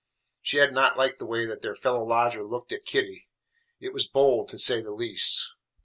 She had not liked the way that their fellow lodger looked at Kitty. It was bold, to say the least.